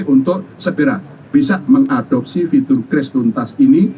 untuk segera bisa mengadopsi fitur kris tuntas ini